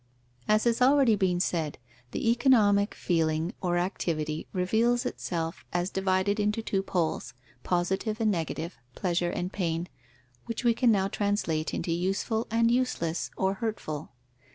_ As has already been said, the economic feeling or activity reveals itself as divided into two poles, positive and negative, pleasure and pain, which we can now translate into useful, and useless or hurtful.